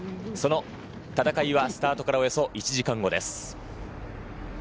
その戦いはスタートからおよそ１時間後です。